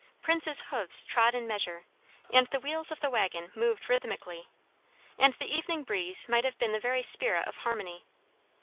Prince's hoofs trod in measure, and the wheels of the waggon moved rhythmically, and the evening breeze might have been the very spirit of harmony.